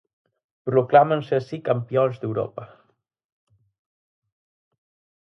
Proclámanse así campións de Europa.